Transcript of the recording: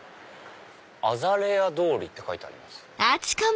「アザレア通り」って書いてあります。